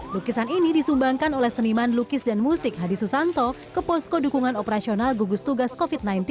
lukisan ini disumbangkan oleh seniman lukis dan musik hadi susanto ke posko dukungan operasional gugus tugas covid sembilan belas